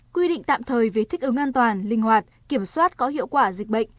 quy định tạm thời về thích ứng an toàn linh hoạt kiểm soát có hiệu quả dịch bệnh